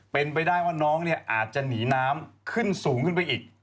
เป็นไปได้ว่าน้องเนี่ยอาจจะหนีน้ำขึ้นสูงขึ้นไปอีก